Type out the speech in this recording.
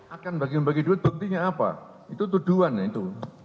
akan bagi bagi duit buktinya apa itu tuduhan itu